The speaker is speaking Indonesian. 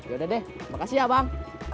yaudah deh makasih ya bang